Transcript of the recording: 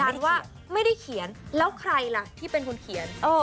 ว่าไม่ได้เขียนแล้วใครล่ะที่เป็นคนเขียน